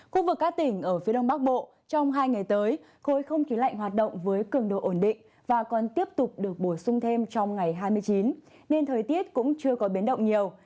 khu vực các tỉnh ở phía đông bắc bộ trong hai ngày tới khối không khí lạnh hoạt động với cường độ ổn định và còn tiếp tục được bổ sung thêm trong ngày hai mươi chín nên thời tiết cũng chưa có biến động nhiều